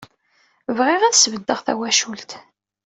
Bɣiɣ ad sbeddeɣ tawacult.